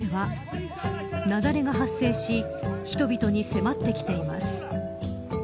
その先の山では雪崩が発生し人々に迫ってきています。